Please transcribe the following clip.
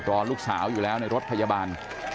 รอลูกสาวอยู่แล้วในรถพยาบาล